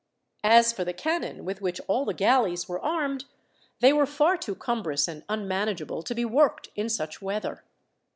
As for the cannon with which all the galleys were armed, they were far too cumbrous and unmanageable to be worked in such weather.